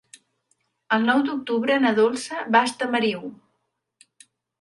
El nou d'octubre na Dolça va a Estamariu.